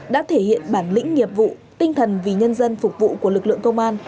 đã thể hiện bản lĩnh nghiệp vụ tinh thần vì nhân dân phục vụ của lực lượng công an